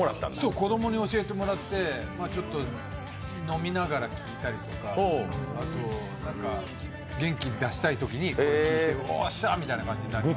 子供に教えてもらって飲みながら聴いたりとかあと、元気出したいときにこれを聴いて、よっしゃみたいな感じになる。